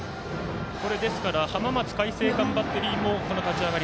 ですから浜松開誠館バッテリーもこの立ち上がり